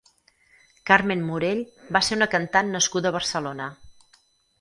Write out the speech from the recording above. Carmen Morell va ser una cantant nascuda a Barcelona.